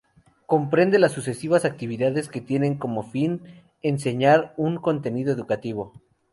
Comprende las sucesivas actividades que tienen como fin enseñar un contenido educativo.